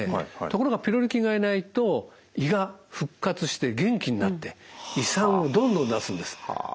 ところがピロリ菌がいないと胃が復活して元気になって胃酸をどんどん出すんです。